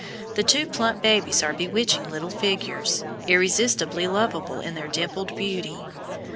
The two plump babies are bewitching little figures, irresistibly lovable in their dimpled beauty.